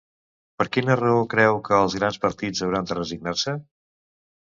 Per quina raó creu que els grans partits hauran de resignar-se?